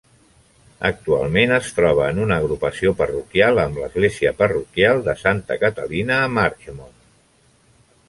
Actualment es troba en una agrupació parroquial amb l'església parroquial de Santa Catalina a Marchmont.